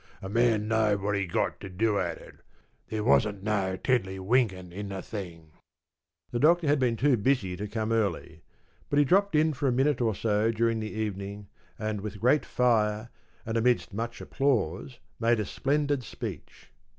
A man know'd what he'd got to do at it. There wasn't no tiddleywinkin' in the thing.’ The Doctor had been too busy to come early; but he dropped in for a minute or so during the evening, and with great fire, and amidst much applause, made a splendid speech.